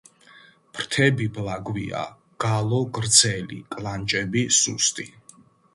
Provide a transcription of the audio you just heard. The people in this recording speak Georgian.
ფრთები ბლაგვია, გალო გრძელი, კლანჭები სუსტი.